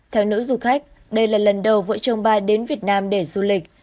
theo nữ du khách đây là lần đầu vợ chồng bà đến việt nam để du lịch